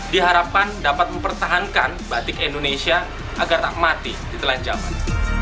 diharapkan dapat mempertahankan batik indonesia agar tak mati di telanjaman